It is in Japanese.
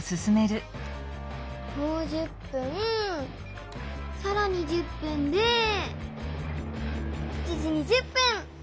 もう１０分さらに１０分で７時２０分！